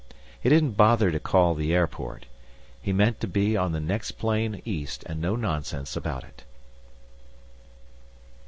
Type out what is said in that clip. He didn't bother to call the airport. He meant to be on the next plane east, and no nonsense about it....